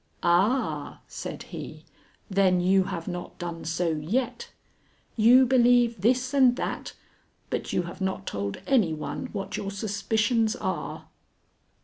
"Ah," said he, "then you have not done so yet? You believe this and that, but you have not told any one what your suspicions are?"